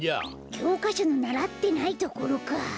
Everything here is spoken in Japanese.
きょうかしょのならってないところか。